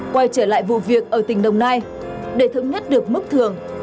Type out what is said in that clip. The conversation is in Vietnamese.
quay trở lại vụ việc ở tỉnh đồng nai để thống nhất được mức thưởng